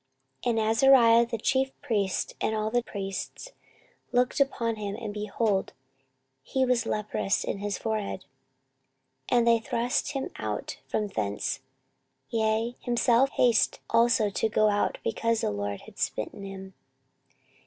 14:026:020 And Azariah the chief priest, and all the priests, looked upon him, and, behold, he was leprous in his forehead, and they thrust him out from thence; yea, himself hasted also to go out, because the LORD had smitten him.